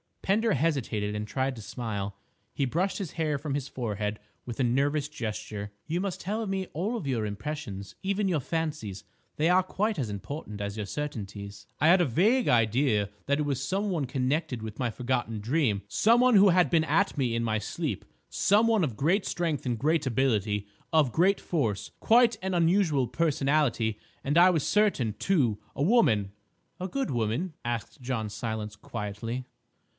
Pender hesitated and tried to smile. He brushed his hair from his forehead with a nervous gesture. "You must tell me all your impressions, even your fancies; they are quite as important as your certainties." "I had a vague idea that it was some one connected with my forgotten dream, some one who had been at me in my sleep, some one of great strength and great ability—of great force—quite an unusual personality—and, I was certain, too—a woman." "A good woman?" asked John Silence quietly.